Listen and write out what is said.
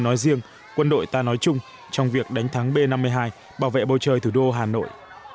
nói riêng quân đội ta nói chung trong việc đánh thắng b năm mươi hai bảo vệ bầu trời thủ đô hà nội